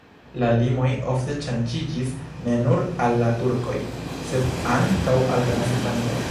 La limoj ofte ŝanĝiĝis ne nur al la turkoj, sed ankaŭ al Transilvanio.